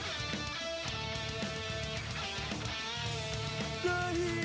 ใบน้ำเนี่ย